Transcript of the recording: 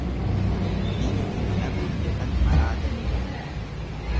Biyya hin dhaqnu jedhan maraatanii dhaqu.